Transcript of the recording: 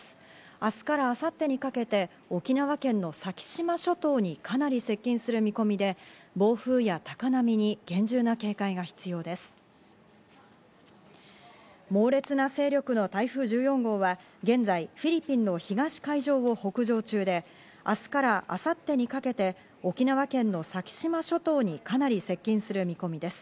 明日から明後日にかけて沖縄県の先島諸島にかなり接近する見込みで、暴風や高波に厳重な警戒が必要です。